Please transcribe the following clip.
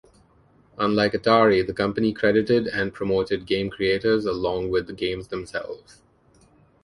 Unlike Atari, the company credited and promoted game creators along with the games themselves.